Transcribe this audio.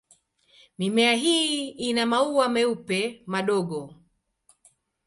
Mimea hii ina maua meupe madogo.